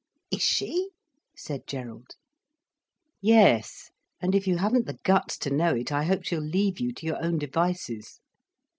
"Is she?" said Gerald. "Yes, and if you haven't the guts to know it, I hope she'll leave you to your own devices."